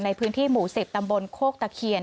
ในพื้นที่หมู่๑๐ตำบลโคกตะเคียน